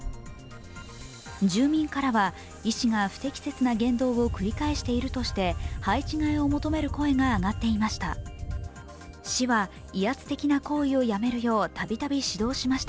住民からは医師が不適切な言動を繰り返しているとして配置換えを求める声が上っていました。